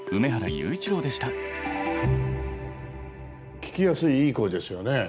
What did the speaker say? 聞きやすいいい声ですよね。